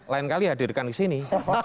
lain kali hadirkan ke sini